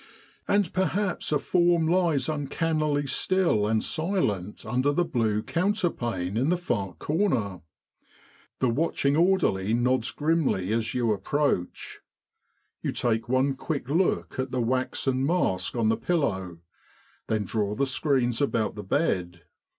And perhaps a form lies uncannily still and silent un'der the blue counter 241 With the R.A.M.C. in Egypt pane in the far corner. The watching orderly nods grimly as you approach. You take one quick look at the waxen mask on the pillow, then draw the screens about the bed.